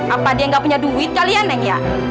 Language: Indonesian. apa dia gak punya duit kali ya neng ya